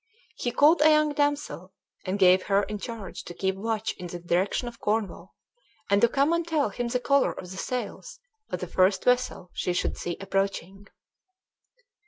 He called a young damsel, and gave her in charge to keep watch in the direction of Cornwall, and to come and tell him the color of the sails of the first vessel she should see approaching.